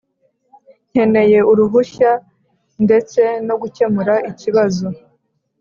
nkeneye uruhushya ndetse no gukemura ikibazo